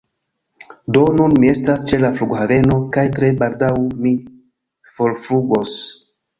Do, nun mi estas ĉe la flughaveno, kaj tre baldaŭ mi forflugos.